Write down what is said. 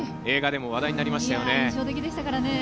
映画でも話題になりましたね。